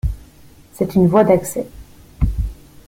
C’est une voie d’accès.